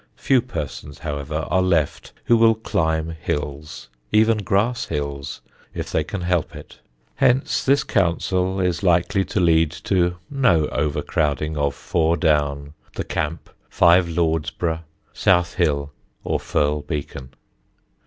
Few persons, however, are left who will climb hills even grass hills if they can help it; hence this counsel is likely to lead to no overcrowding of Fore Down, The Camp, Five Lords Burgh, South Hill, or Firle Beacon.